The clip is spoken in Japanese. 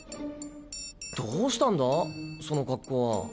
どうしたんだそのカッコは。